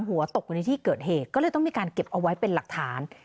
หัวตกอยู่ในที่เกิดเหตุก็เลยต้องมีการเก็บเอาไว้เป็นหลักฐาน